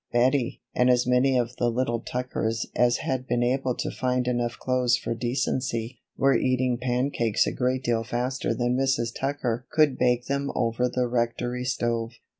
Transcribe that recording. Bettie, and as many of the little Tuckers as had been able to find enough clothes for decency, were eating pancakes a great deal faster than Mrs. Tucker could bake them over the Rectory stove.